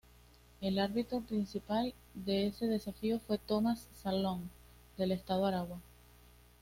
El árbitro principal de ese desafío fue Tomas Salón, del estado Aragua.